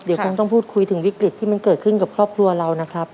เดี๋ยวคงต้องพูดคุยถึงวิกฤตที่มันเกิดขึ้นกับครอบครัวเรานะครับ